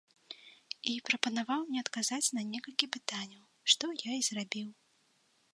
І прапанаваў мне адказаць на некалькі пытанняў, што я і зрабіў.